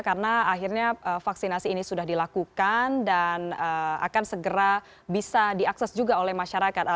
karena akhirnya vaksinasi ini sudah dilakukan dan akan segera bisa diakses juga oleh masyarakat